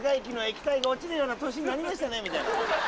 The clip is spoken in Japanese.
みたいな。